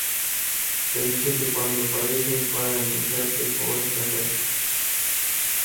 Se dice que cuando aparece es para anunciar que su hora está cerca.